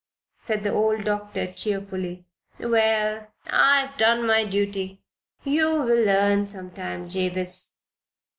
said the old doctor, cheerfully. "Well, I've done my duty. You'll learn some time, Jabez."